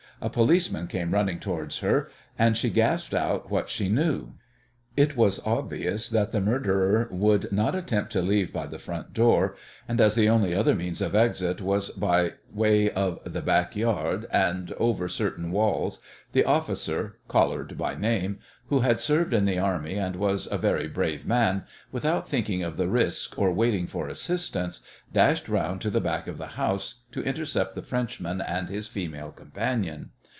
A policeman came running towards her, and she gasped out what she knew. It was obvious that the murderer would not attempt to leave by the front door, and as the only other means of exit was by way of the backyard and over certain walls the officer Collard by name who had served in the army and was a very brave man, without thinking of the risk or waiting for assistance, dashed round to the back of the house to intercept the Frenchman and his female companion.